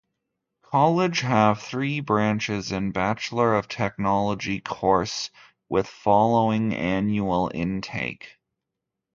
College have three branches in Bachelor of Technology course with following annual intake.